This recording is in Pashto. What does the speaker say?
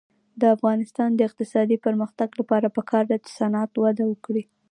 د افغانستان د اقتصادي پرمختګ لپاره پکار ده چې صنعت وده وکړي.